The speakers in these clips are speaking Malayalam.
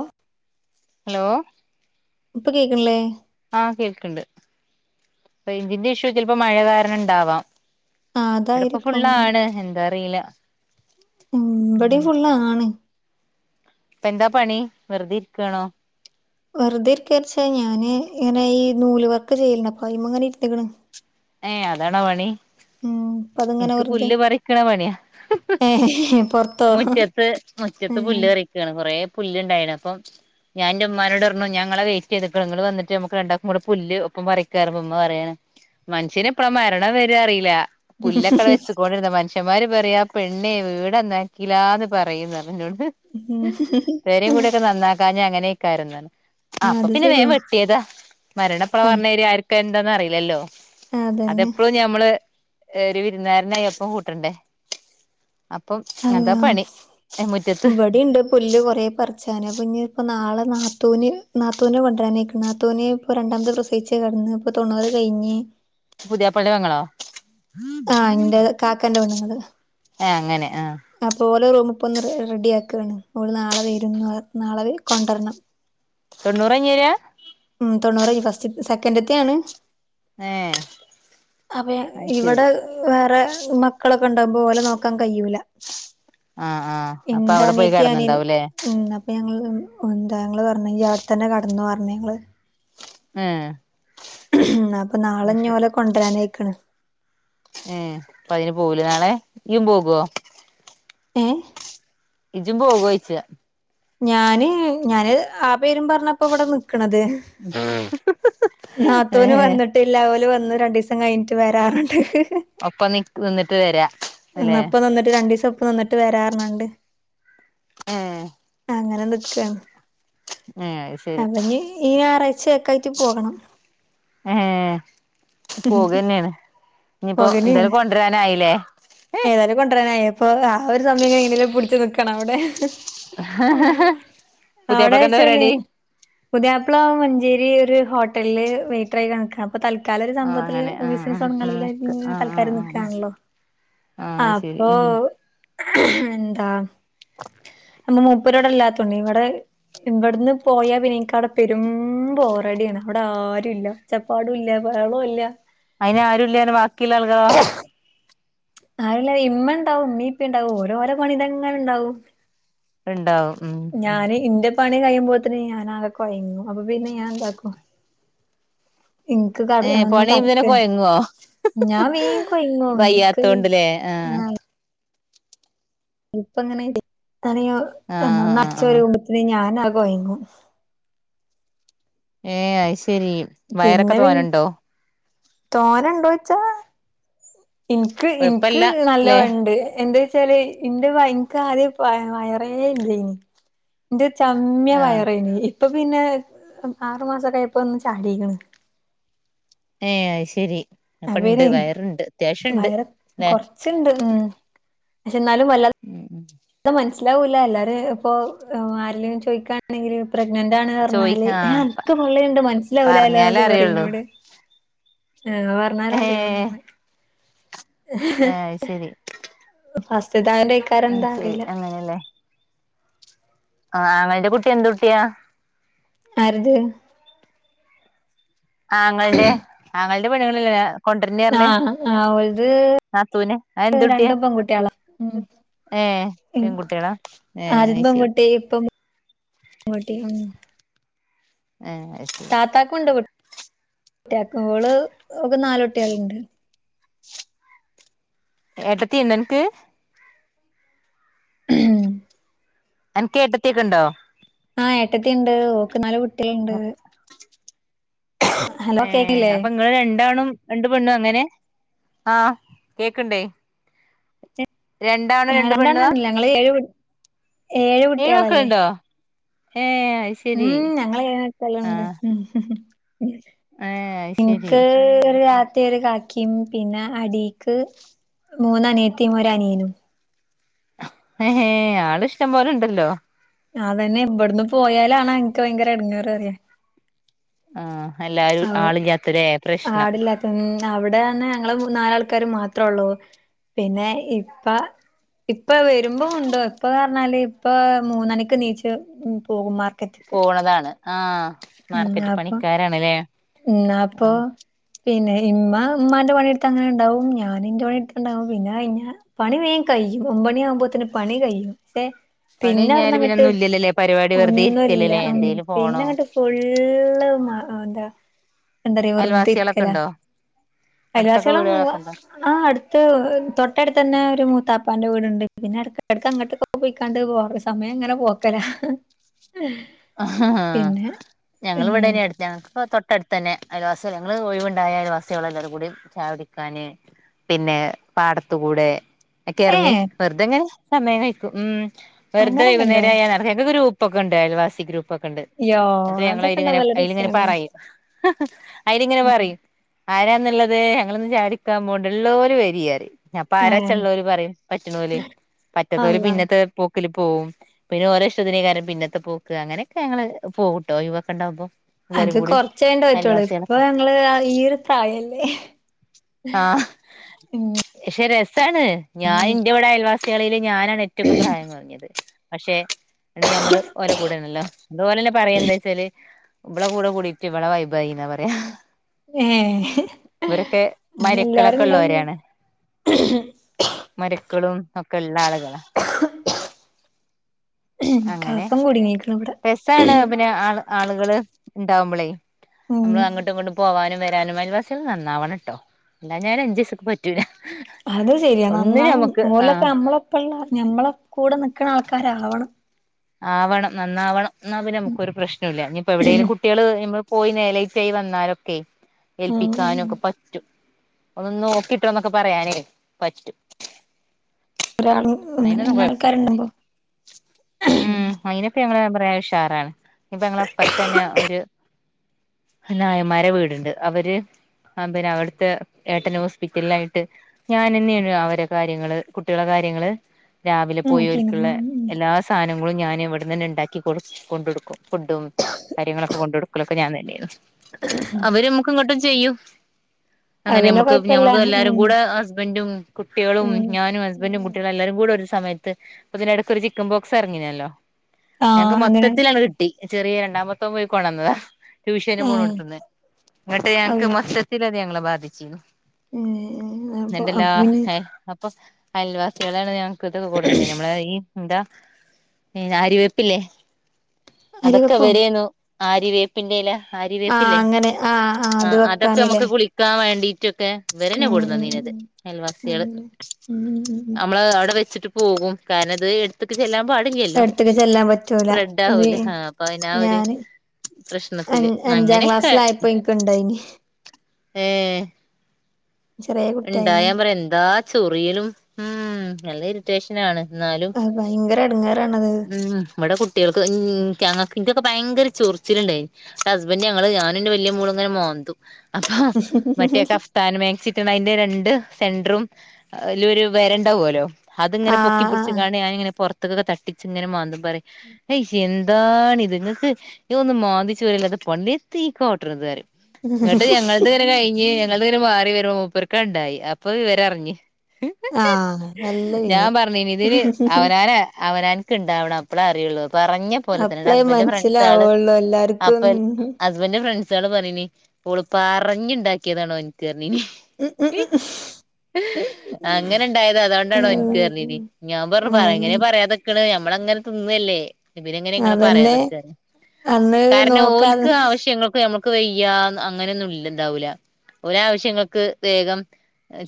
ഒ ഹലോ ഇപ്പൊ കേക്കണില്ലേ ആ കേൾക്കണ്ട് റെയിഞ്ചിൻ്റെ ഇഷ്യൂ ചിലപ്പോ മഴ കാരണം ഇണ്ടാവാം ആ ഇവിടപ്പം അതായിരിക്കും ഫുള്ളാണ് എന്താ അറിയില ഉം ഇവിടെയും ഫുള്ളാ ആണ് ഇപ്പ എന്താ പണി വെറുതെ ഇരിക്കണോ വെറുതെ ഇരിക്കെച്ച ഞാന് ഇങ്ങനെ ഈ നൂല് വർക്ക് ചെയ്യല്ണ്ട് അപ്പം അയിൻ മേ ഇങ്ങനെ ഇര്ന്ന്ക്ക്‌ണ് ഏ അതാണോ പണി അപ്പൊ അതിങ്ങനെ എനിക്ക് വെറുതെ പുല്ല് പറിക്കണ പണിയാ ഏ പൊറത്തോ മുറ്റത്ത് മുറ്റത്ത് ഏ പുല്ല് പറിക്കുവയാണ് കൊറെ പുല്ല് ഇണ്ടായിന് അപ്പം ഞാൻന്റെ ഉമ്മനോട് പറഞ്ഞു ഞാൻ ഇങ്ങളെ വെയിറ്റ് ചെയ്തിക്കാണ് നിങ്ങള് വന്നട്ട് നമുക്ക് രണ്ടാക്കും കൂടെ പുല്ല് ഒപ്പം പറിക്ക പറയുമ്പോ ഉമ്മ പറയാണ് മനുഷ്യന് എപ്പഴാ മരണം വര്ക അറിയില്ല പുല്ലൊക്ക വെച്ചു [unintelligible] കൊണ്ടിരുന്ന മനു അച്ച്ചന്മാര് പറയാ പെണ്ണയെ വീടന്നാക്കില്ലാന്ന് പറയുന്നു പറഞ് പെരയും കൂടിയും ഒക്കെ നന്നാക്കാഞ്ഞ് അങ്ങനൊക്കെയായിരുന്നു അപ്പൊ അത് പിന്നെ വേഗം ശരിയാ വെട്ടിയതാ മരണയെപ്പം ആ, വരണെ എന്ന് ആ ർക്കു ഒന്നും അറിയില്ലല്ലോ അതന്നെ അതെപ്പോഴും ഞമ്മള് ഒരു വിരുന്നു കാരനായി ഒപ്പം കൂട്ടണ്ടേ അപ്പം അതാ പണി മുറ്റത്ത് ഇവിടെയുണ്ട് പുല്ല് കൊറ പറിച്ചന് ഇപ്പം ഇനിയിപ്പംനാളെ നാത്തൂന് നാത്തൂനെ കൊണ്ടരാനായിക്ക്‌ണ് നാത്തൂന് ഇപ്പൊ രണ്ടാമത് പ്രസയിച്ചു കിടന്ന് ഇപ്പൊ തൊണ്ണൂറ് കഴിഞ്ഞ് പുതിയപ്പളെന്റെ പെങ്ങളോ ആ എന്റെ കാക്കാന്റെ പെണ്ണുങ്ങള് ഏ അങ്ങനെ ആ അപ്പോ റൂമ് ഇപ്പൊ ഒന്ന് റെഡി ആക്കാണ് ഓള് നാളെ വരുന്നു പറയ് നാളെ കൊണ്ടുവരണം തൊണ്ണൂറ് കഴിഞ്ഞ് വേരാ തൊണ്ണൂറ് കഴി ഫസ്റ്റ് സെക്കൻറ്റിത്തെയാണ് ഏ അപ്പ അത് ശരി ഇവിടെ വേറെ മക്കളൊക്കെ ഉണ്ടകുമ്പോ ഓളെ നോക്കാൻ കഴിയുല ആ ആ അപ്പൊ എൻ്റെ അവിടെ പോയി അനിയത്തി അനിയനും കിടന്നുണ്ടാവൂല്ലേ ഉം അപ്പൊ ഞങ്ങള് [unintelligible] എന്താ ഞങ്ങൾ പറഞ്ഞ് യി അവിടെത്തന്നെ കെടന്നോ പറഞ്ഞു ങ്ങങ്ങള് ഏഹേ അപ്പൊ നാളെഞ്ഞോലെ കൊണ്ടുവരാനായിക്കണ് എ അപ്പ അതിന് പോകും ലെ നാളെ ഈയും പോകുവോ ഏ ഇജും പോകോഴിച്ച ഞാന് ഞാന് ആ പേരും പറഞ്ഞാ ഇപ്പോ ഇവിടെ നിക്കണത് ഏ നാത്തൂന് വന്നിട്ടില്ല ഓല് വന്നു രണ്ടു ദിവസം കഴിഞ്ഞിട്ട് വരാന്ന് പറഞ്ഞിട്ട് ഒപ്പം നിക്കും നിന്നിട്ട് വരാ അല്ലെ എന്നപ്പ നന്നിട്ട് രണ്ടു ദിവസം ഒപ്പ നന്നിട്ട് വരാഞ്ഞട്ട് ആ [unintelligible] അങ്ങനെ നിക്കാണ് ഏ അത് ശരി അവന് ഈ ഞായറാഴ്ചയക്കായിട്ട് പോകണം ആഹ പോകന്നെണ് ഇനിയിപ്പോ പോകന്നെയാണ് എന്തായാലും കൊണ്ടുവരാനായില്ലേ ഏതായാലും അപ്പൊ ആ ഒരു സമയംഎങ്ങനെലും പുടിച്ച് നിക്കണം അവിടെ അവിടെ പുതിയാപ്പളക്ക് എന്താ ആഴച്ചല്ലേ പരിപാടി പുതിയപ്പ്പളാ മഞ്ചേരി ഒരു ഹോട്ടലില് വൈറ്റെർ ആയിട്ട നിക്കണത് അപ്പൊ തൽക്കാല ഒരു ആഹ് സംഭവത്തില് അങ്ങനെ ആഹ് ബിസിസ് തൊടങ്ങാൻ ആഹ് ആഹ് ആഹ് ആഹ് തൽക്കാലം ആഹ് നൽക്കയാണല്ലോ ആഹ് ആഹ് ശരി അപ്പൊ ഉം എന്താ നമ്മ മൂപ്പരോടെല്ലാത്തണ്ട് ഇവിടെ ഇവിടന്ന് പോയാ പിന്നെക്ക് അവിടെ പെരും പോോറടിയാണ് അവിടെ ആരും ഇല്ല അച്ചപ്പാട ഇല്ല ബഹളുല്ല അയിന് ആരും ഇല്ലാനു ബാക്കിള്ള ആൾറോ ആരുല്ല ഇമ്മ ഉണ്ടാവും ഇമ്മിം ഇപ്പിം ഉണ്ടാവും ഓരോഓരോ പണിയിൽ അങ്ങനെ ഉണ്ടാവും ഉണ്ടാവും ഉം ഉം ഞാന് ഇന്റെ പണി കഴിയുമ്പോത്തിന് ഞാൻ അതൊക്ക കോയങ്ങും അപ്പൊ പിന്നെ ഞാൻ എന്താക്കും ഇൻക്ക് കട ഏഹ് ഒന്ന് പണി ചെയ്യുമ്പത്തിന് കടക്ക കൊയങ്ങോ [inaudible] ഞാൻ മീൻ കൊയിന്നോ നീക്ക് വയ്യാത്തോണ്ട്ല്ലേ ആ ആഹ് ഇപ്പങ്ങനെ അന ഒ ആഹ് [unintelligible] ആഹ് അച്ച്ച ആഹ് ഒരു ക്പത്തിന് ഞാൻ. [inaudible] കോയങ്ങും ഏ ആയി പിന്നെ തോനെ ഉണ്ടോയിച്ചാ എനിക്ക് എനിക്ക് കൊഴപ്പല്ല നല്ല ല്ലേ ഉണ്ട് എന്ത് വെച്ചാല് എന്റെ ഭയങ്കര ആദ്യ വയറ വയറേ ഇല്ലാരുന്നു ഇന്റെ ചമ്മ്യ ആഹ് വയറാനു ഇപ്പൊ പിന്നെ ആറു മാസൊക്കെ ആയപ്പോ ഒന്ന് ചാടിയേക്കണ് ഏഹ് അത് ശെരി അപ്പ അപ്പം ഇണ്ട് പിന്നെ വയറുണ്ട് അത്യാവശ്യം ഉണ്ട് വയറ് ല്ലേ കൊറച്ച്ണ്ട് ഉം എന്നാലും വല്ല ഉം ഉം അത് മനസ്സിലാവൂല്ലേ എല്ലാരും ഇപ്പൊ ആരേലും ചോദിക്കാണെങ്കിലും പ്രഗ്നന്റ് ആണ് പറഞ്ഞാല് ആഹ് എനക്ക് പള്ളയുണ്ട് മനസ്സിലാവൂലാല്ലേ പറഞ്ഞാലേ എന്നൊക്കെ അറിയുള്ളൂ പറഞ്ഞോട് ആഹ് പറഞ്ഞാലതേ ഏഹ് ഉള്ളുന്ന് ആഹ് അത് ശെരി [unintelligible] എന്താ അറിയില്ല ആഹ് നിന്റെ കുട്ടി എന്ത് കുട്ടിയാ ആരിത് ആങ്ങളേടെ ആങ്ങളേടെ പെണ്ണുങ്ങളില്ലേ കൊണ്ടരുന്നു പറഞ്ഞേ ആഹ് ആഹ് ഓൽത് നാത്തൂനെ അതെന്തൂട്ടിയെ രണ്ടും പെൺകുട്ടികളാ ഉം ഏഹ് ഉം പെൺകുട്ടികളാ ഏഹ് അത്ശെരി അങ്ങോട്ടെല്ലുന്നു ആഹ് അത് ശെരി താത്താക്കുണ്ട് ഓള് ഓക്ക് നാല് കുട്ടികളുണ്ട് ഏട്ടത്തി എന്തനക്ക് [unintelligible] അനക്ക് ഏട്ടത്തീയൊക്കെ ഉണ്ടോ ആഹ് ഏട്ടത്തി ഉണ്ട് ഓക്ക് നാല് കുട്ടികളുണ്ട് ഹലോ ഏഹ് കേക്കില്ലേ അപ്പൊ നിങ്ങള് രണ്ടാളും രണ്ട് പെണ്ണും അങ്ങനെ ആഹ് കേക്കണ്ടേ രണ്ടാണും രണ്ട് പെണ്ണുവാ രണ്ടാണുങ്ങളല്ല ഞങ്ങള് ഏഴുപെൺ ഏഴ് കുട്ടികളല്ലേ ഏഹ് അത് ഉം ശരി ഞങ്ങളിങ്ങനെ സ്ഥലുണ്ട് ആഹ് ഏഹ് അത് ശരി ഇനിക്ക് മത്ത ഒരു കാക്കിയും പിന്നെ അടിക്ക് മൂന്ന അനിയത്തയും ഒര് അനിയനും ഹേ ഹേ ആള് ഇഷ്ടം പോലെ ഉണ്ടല്ലോ അതന്നെ ഇവിടന്ന് പോയാല ആണ് എനിക്ക് ഭയങ്കര എടുങ്ങറ് അറിയ ആഹ് എല്ലാരും ആളില്ലാത്താല്ലേ പ്രശ്നം ആടില്ലാത്ത അവിടെന്നെ ഞങ്ങള് നാലാൾക്കാര് മാത്രേ ഉള്ളൂ പിന്നെ ഇപ്പ ഇപ്പ വരുമ്പോൾ ഉണ്ട് ഇപ്പൊ പറഞ്ഞാല് ഇപ്പൊ മൂന്നണിക്ക് എണീച്ച് പോകും മാർക്ക പോണതാണ് ആ ഉം മാർക്കറ്റ് അപ്പൊ പണിക്കാരാണല്ലേ ഉം അപ്പൊ ആഹ് പിന്നെ ഇമ്മ ഉമാന്റെ പണിയെടുത്ത് അങ്ങനെ ഉണ്ടാവും ഞാനൻന്റെ പണിയെടുത്ത്ുണ്ടാവും പിന്നെ കഞ്ഞ പണി വേ കഴ കഴ്യും ഒമ്പണി ആകുമ്പോത്തന് പണി കഴിയും പക്ഷെ പണി പിന്നെ അവിടന്ന് കഴിഞ്ഞാല് അങ്ങട്ട് പിന്നൊന്നും ഇല്ലല്ലല്ലേ പരിപാടി വെറുതെ ഒന്നുമല്ല ഇരിക്കല്ലല്ലേ ഉം എന്തേലും പോണോ പിന്നങ്ങട്ട് ഫുള് മ അന്ത എന്താറ വറുതെ അയൽവാസികളൊക്കെ ഇരിക്കല ഉണ്ടോ അടുത്തൊക്കെ കൈവാസികളം വീടുകളൊക്കെ ഉണ്ടോ ആ അടുത്ത് തൊട്ടടുത്ത് തന്നെ ഒരു മു താപ്പാന്റെ വീടുണ്ട് പിന്നെ ഇടക്ക ഇടക്ക് അങ്ങോട്ടൊക്ക പോയിക്കാണ്ട് പോറ സമയം അങ്ങനെ പോക്കല ഏ ഞങ്ങിവിടെന എടുത്ത തൊ അടുത്ത് തന്നെ അയലവാസിക ഞങ്ങങ്ങള് ഒഴിവുണ്ടായ അയിവാസികൾ എല്ലോടും കൂടി ചായ പിടിക്കാന് പിന്നെ പാടത്ത കൂടെ ഒക്കെ ഏ ഇറങ്ങ വെറുതെങ്ങനെ സമയം കഴിക്കും ഉം അങ്ങനൊക്കെ ഉണ്ടോ വെറുതെകുന്നേര ആയാ നടക്കെ ക്ക് ഗ്രൂ പ്പ് ഒക്കെ ഉണ്ട് അയൽവാസി ഗ്രൂ പ്പൊക്കണ്ട് യോ മറ്റേ അതൊക്കെ ഞങ്ങളതിൽ ഇങ്ങനെ ഉണ്ടാവുമ്പോ നല്ല അതില് ഇങ്ങനെ രസാണ് പറയും അയില് ഇങ്ങനെ ഉം പറയും ആരാന്നുള്ളത് ഞങ്ങളൊന്ന ചാടിക്കാൻ പോണ്ടള്ളരു വരി പറയും ഞപ്പ ആരച്ച ഏഹ് ഉള്ളവര് പറയും പറ്റണ ഓല് പറ്റാത്തര് അള്ളാ പിന്നത്തെ പോക്കില് പോവും പിന്നെ ഓരോ ഇഷ്ടത്തിന് കാരം പിന്നത്തെ പൂക്ക് അങ്ങനെയൊക്കെ ഞങ്ങള് പോകൂട്ടോ ഒഴിവുക്കെ ഉണ്ടാവകുമ്പോ അത് കൊറച്ചണ്ട പറ്റുള്ളൂ ഇപ്പൊ ഞങ്ങള് ഈ ഒരു പ്രയല്ലേ ആ പക്ഷെ രസാണ് ഞാൻ ഇന്ത്യയുടെ അയൽവാസികളയില് ഞാനാണ് ഏറ്റക്ക പ്രായം കുറഞ്ഞത് പക്ഷെ നമ്മള് ഓല കൂടെണല്ലോ അതുപോലെ തന്നെ പറയാംന്താ വച്ചല് ഇളടെ കൂടെ കൂടിയിട്ട ഇടെ ബായിനാ പറയാ ഏ ഇവരൊക്കെ അങ്ങ എല്ലാരും മരക്കളൊക്കെ ഇണ്ടാവുമ്പോ ഉള്ളവരാണ് മക്കളും ഒക്കെ ഉള്ള ആ [unintelligible] അങ്ങനെ കഫം കുടുങ്ങിക്ക്ണ് ഇവിടെ പെസാണ് പിന്നെ ആൾ ആളുകള് ഉണ്ടാവുമ്പോളേ ഉം നമ്മള് അങ്ങോട്ടും ഇങ്ങോട്ട് പോവാനും വ തനു അയൽവസിക നന്നാവണം കേട്ടോ അല്ലേ ഞാൽ അഞ്ചു പൈസക്ക് പറ്റൂല അത് ശരിയാ ഒന്നിനും നന്നാവണം നമുക്ക് ഓലൊക്കെ ആഹ് നമ്മളെപ്പ ഉള്ള ഞമ്മളെ കൂടെ നിക്കണ ആൾക്കാരാവണം ആവണം നന്നാവണം എന്നാ പിന്നെ നമുക്കൊരു പ്രശ്നം ഇല്ല ഇനിയിപ്പ എവിടെേങ്കിലും കുട്ടികള് പോയി നലറ്റൈ വന്നാലൊക്കെ ഉം ഉം ഏൽപ്പിക്കാനും ഒക്കെ പറ്റും ഒന്ന് നോക്കിട്ടോന്നൊക്കെ പറയാനേ പറ്റൂ ഒരാൾ അങ്ങനെ ആൾക്കാരുണ്ട്പോ ഉം അയിനിപ്പ ഞങ്ങ പറയാ ഉഷാറാണ് ഇപ്പൊ ഞങ്ങള അപ്പുറത്ത തന്നെ ഒരു നായമാരെ വീടുണ്ട് അവര് ആ പിന്നെ അവിടുത്തെ ഏട്ടന ഹോസ്പിറ്റലില ആയിട്ട് ഞാൻന്നെയാണ് അവരെ കാര്യങ്ങള് കുട്ടികളെ കാര് രാവിലെ പോയി നോക്കിനു ഓർക്ക് ഉള്ളെ ഉം എല്ല ങ്ങളും ഞാൻ ഇവിടെന്നെ ഉണ്ടാക്കി കൊ കൊ കൊടുക്കും ഫുഡും കാര്യങ്ങളൊക്കെ കൊണ്ട കൊടുക്കലൊക്കെ ഞാൻ തന്നെയായിരുന്നു അവര് നമ്മുക്ക് ഇങ്ങോട്ടും ചെയ്യും അത് അങ്ങനെ പിന്നെ നമ്മുക്ക് കൊഴപ്പല്ല ഞങ്ങൾക്ക് എല്ലാരും ഉം കൂടെ ഹസ്ബന്റ് കുട്ടികളും ഉം ഞാനും ഹസ്ബൻറും കുട്ടികളും എല്ലാരും കൂടെ ഒരു സമയത്ത് ഇതിടക്കൊ ഒരു ചിക്കുമ്പോ ഇറങ്ങിനല്ലോ ആഹ് ഞങ്ങക്ക് അങ്ങനെ മൊത്തത്തിലാണ് കിട്ടി ചെറിയ രണ്ടാമത്ത പോയി കൊണ്ടുന്നതാ ട്യൂഷന് ഏഹ് പോണോടുത്തന്ന്. എന്നിട്ട് ഞങ്ങൾക്ക് അള്ളാ മൊത്തത്തില് അത് ഞങ്ങളെ ബാധിച്ചു. ഏഹ് അപ്പൊ ന്നെണ്ടല്ലാ അപ്പൊ പിന്നെ ഹേ അപ്പൊ അയൽവാസികളാണ് ഞങ്ങക്കൊക്കെ കൂടെനിന്നേന് നമ്മളെ ഈ എന്താ ആര്യവേപ്പില്ലേ അരി അതൊക്കെ വെപ്പോ ഇവരേന്നു ആര്യവേപ്പിൻ്റെ ഇല ആഹ് ആര്യവേപ്പില്ലേ അങ്ങനെ ആഹ് ആഹ് ആ അത് അതൊക്കെ വെക്കാനില്ലേ നമുക്ക് കുളിക്കാൻ വേണ്ടിറ്റ് ഇവരന്നെയാ ഉം ഉം കൊണ്ടുന്നന്നീനത് ഉം അയൽവാസികള്. അങ്ങനെ ഉം ഉം ഉം നമ്മള് അവിടെ വെച്ചിട്ട് പോ പോകും. കാരണം ഇത് എടുത്തിട്ട് ചെല്ലാൻ പാടില്ല പാടില്ലല്ലോ എടത്ത്ക്ക് ചെല്ലാൻ പറ്റൂല ഇത് സ്പ്രെഡാവൂലേ ആ അപ്പൊ അയ്നാ ഒരു ഞാന് അ പ്രശ്നത്തില് അഞ്ചാം അങ്ങനെയൊക്കെ ക്ലാസ്സിലായപ്പോ എനിക്കുണ്ടായിനി ഏ ചെറിയ ഇണ്ടായ കുട്ടിയായിന്ന് ഞാൻ പറയും എന്താ ചൊറിയലും ഉം നല്ല ഇറിറ്റേഷൻ ആണ്. എന്നാലും അത് ഭയങ്കര എടങ്ങേറാണത് ഉം ഇവിടെ കുട്ടികൾക്ക് ഉം ക്കാ എനിക്കൊക്കെ ഭയങ്കര ചൊറിച്ചിലുണ്ടായി ഹസ്ബൻ്റ് ഞങ്ങള് ഞാനും എന്റെ വലിയ മോളും ഇങ്ങനെ മാന്തും. അപ്പൊ മറ്റേ കഫ്താൻ മാക്സി എന്റെ രണ്ട് സെന്ററും അയിലൊരു വര ഉണ്ടാവോലോ അത് ഇങ്ങനെ ആഹ് പൊക്കിപ്പൊടിച്ചു ആഹ് നിക്കാണെ ഞാനിങ്ങനെ പുറത്തക്കൊക്കെ തട്ടിച്ച് ഇങ്ങനെ മാന്തുമ്മേ പറയ് ഹയ്യ് എന്താ എന്താണിത് ഇങ്ങക്ക് ഇതൊന്നും മാന്തിചൊറിയേല്ലാത്ത പണില്ലേ എന്തീ കാട്ടണെത് പറയും. ഇന്നട്ട് ഞങ്ങള്ത് ഇങ്ങനെ കഴിഞ്ഞ് ഞങ്ങൾടെ ഇങ്ങനെ മാറി വരുമ്പോൾ മൂപ്പർക്ക് ഉണ്ടായി അപ്പൊ വിവരറിഞ്ഞ്. ആഹ് നല്ല ഞാൻ പിന്നെ പറഞ്ഞേനി ഇതിന് അവനവന് അവനവൻക്ക് ഇണ്ടാവണം അപ്പളാ അറിയുള്ളൂ. ഇപ്പ പറഞ്ഞ ഞ്ഞപോലെ തന്നെ അപ്പളേ ഹസ്ബൻ്റിൻ്റെ ഫ്രണ്ട്സ്കള് മനസ്സിലാവുള്ളു എല്ലാർക്കും അപ്പോ ഉം ഹസ്ബൻ്റിൻ്റെ ഫ്രന്സാൽ ഫ്രണ്ട്സാള് പറഞ്ഞിനി ഓള് പറഞ്ഞുണ്ടാക്കിയതാണ് ഓൻക്ക് പറഞ്ഞിനി ഉം ഉം ഉം അങ്ങനെ ഇണ്ടായതാ അതോണ്ടാണ് ഓൻക്ക് പറഞ്ഞിനി ഞാൻ പറഞ്ഞു പ എങ്ങനെ പറയാതിക്കണെ നമ്മളങ്ങനെ തിന്ന് അല്ലേ ഇവരിങ്ങനെ നിങ്ങളെ അതന്നെ പറയാതിക്കാന്ന് അന്ന് കാരണം ഓൽക്ക് നോക്കാതെ ആവശ്യങ്ങൾക്ക് നമ്മക്ക് വയ്യ അങ്ങനെയൊന്നും ഇല്ലണ്ടാവൂല ഓലെ ആവശ്യങ്ങൾക്ക് വേഗം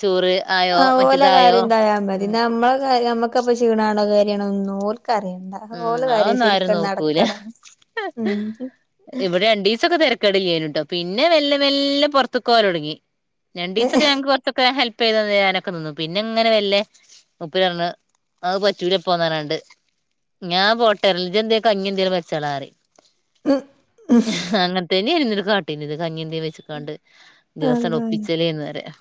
ചോറ് ആയോ ആ ഓലെ മറ്റേതായോ കാര്യം ഇതായാ മതി. ഉം നമ്മളെ കാര്യ നമ്മുക്കപ്പെ ക്ഷീണാണോ കാര്യണോ ഒന്നും ഓല് ഓല്ക്ക് അറിയണ്ട ഉം ഓല് കാര്യം അതൊന്നും ആരും ശരിക്കങ്‌ നോക്കൂല നട്ക്കണം. ഇവിടെ രണ്ടീസൊക്കെ തിരക്കേടില്ലേർന്നൂട്ടോ. പിന്നെ വെല്ല വെല്ല പുറത്തക്കു പോവാലൊട്ങ്ങി. രണ്ടീസൊക്കെ ഞങ്ങക്ക് കുറച്ചൊക്കെ ഹെൽപ് ചെയ്ത് തരാനും ഒക്കെ നിന്നു. പിന്നെ ഇങ്ങനെ മെല്ലെ മൂപ്പര് പറഞ്ഞു അത് പറ്റൂല ഇപ്പവന്നാണ്ട് ഞാൻ പോട്ടെ ഇജ്ജ് എന്തെ കഞ്ഞി എന്തെങ്കിലും വച്ചോളാ റിം അങ്ങനത്തേനി ഇനിന്നൊരു കാട്ടീനത് കഞ്ഞി എന്തെവെച്ചക്കാണ്ട് ദിവസങ്‌ അതാണ് ഒപ്പിച്ചല്ലേന്ന് പറയുവാ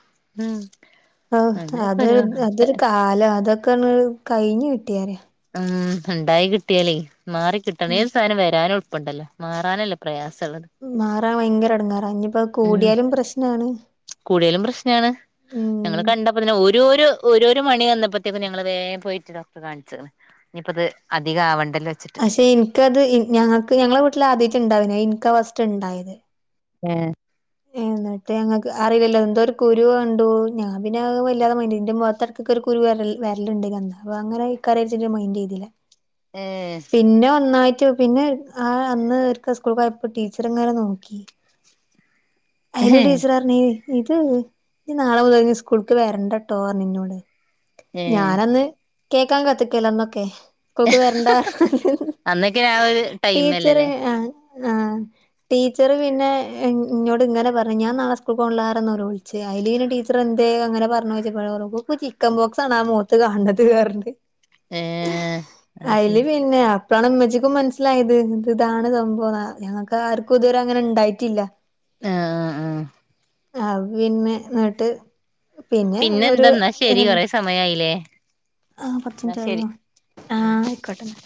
അതൊരു അതൊരു കാലം അതൊക്കെയാണ് കഴിഞ്ഞ് കിട്ടിറയാ ഉം ഉണ്ടായി കിട്ടിയാലേ മാറി കിട്ടണെ ഉം ഏത് സാനം വരാനും എളുപ്പണ്ടല്ലോ മാറാനല്ലേ പ്രയാസം. മാറാൻ ഭയങ്കര എടങ്ങേറാ. ഇനിയിപ്പ കൂടിയാലും പ്രശ്നാണ്. കൂടിയാലും പ്രശ്നാണ് ഉം ഞങ്ങള് കണ്ടപ്പത്തന്നെ ഓരോരു ഒരോരു മണി വന്നപ്പോഴത്തേക്കും ഞങ്ങള് വേഗം പോയിട്ട് ഡോക്ടറെ കാണിച്ചേക്കണ് ഇനിയിപ്പ അത് അധിക ആവണ്ടല്ലോ വെച്ചിട്ട് പക്ഷെ എനിക്കത് ഇന് ഞങ്ങക്ക് ഞങ്ങളെ വീട്ടിൽ ആദ്യ ആയ്ട്ടാ ഇണ്ടാവണെ എനിക്കാ ഫസ്റ്റ് ണ്ടായത് ഏ എന്നിട്ട് ഞങ്ങക്ക് അറിവില്ല എന്തോ ഒരു കുരു കണ്ടു ഞാൻ പിന്നെ വല്ലാതെ മൈൻ്റ് മുഖത്തെടക്കൊക്കെ ഒരു കു കുരു വര വരലുണ്ട് എന്താ. അപ്പൊ അങ്ങനെയ് ക്കാരെണിച്ചിട്ട് മൈൻഡ് ചെയ്തില്ല ഏഹ് പിന്നെ ഒന്നായി റ്റോ പിന്നെ ആ അന്ന് ഇവർക്ക് സ്കൂൾക്ക് പോയപ്പോ ടീച്ചർ ഇങ്ങനെ നോക്കി അയില് ഒരു ടീച്ചറ് പറഞ്ഞ് ഇത് ഇനി നാളെ മുതൽ സ്കൂളക്ക് വരണ്ടട്ടോ ഇന്നോട് ഏഹ് ഞാനന്ന് കേക്കാൻ കത്തിക്കേല അന്നൊക്കെ സ്കൂൾക്ക് വരണ്ട. അന്നൊക്കെ ആ ഒരു ടീച്ചർ ടൈമല്ലല്ലേ ആ ആ ടീച്ചറ് പിന്നെ ന്നെ ഇന്നോട് ഇങ്ങനെ പറഞ്ഞ് ഞാൻ നാളെ സ്കൂൾക്കോണ്ല്ലാന്ന് പറഞ്ഞ് നൊലോള്ച്ച്. അയ്ൽ പിന്നെ ടീച്ചർ എന്തേ അങ്ങനെ പറഞ്ഞോയ്ച്ചപ്പൊ അവർക്കു. ചിക്കൻ ബോക്സാണ് ആ മുഖത്ത് കാണ്ണത് അറഞ്ഞ് ഏഹ് അഹ് അയ്ല് ശരി പിന്നെ. ഇപ്പളാണ് ഇമ്മച്ചിക്കും മനസ്സിലായത് ഇത് താണ് സംഭവം ഞങ്ങൾക്ക് ആർക്കും ഇതുവരെ അങ്ങനെ ഇണ്ടായിട്ടില്ല. ആഹ ആ ആഹ. ആ പിന്നെ ന്നട്ട് പിന്നെ ഒരു എന്താ ന്നാ ശരി രൺണ്ട് കൊറെ സമയായില്ലേ ആ ന്നാ കുറച്ചയ്ഞ്ഞ്ട്ട് ശരി കയ്യും ആഹ ഉം ആയിക്കോട്ടെന്നാൽ.